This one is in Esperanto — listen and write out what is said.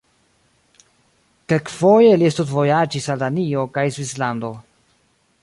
Kelkfoje li studvojaĝis al Danio kaj Svislando.